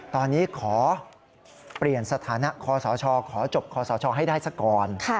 ตอนนี้ขอเปลี่ยนสถานะคอสชขอจบคอสชให้ได้ซะก่อน